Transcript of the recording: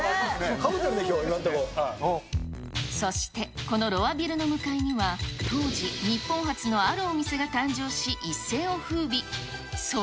かぶってるね、きょう、そして、このロアビルの向かいには、当時、日本初のあるお店が誕生し、一世をふうび。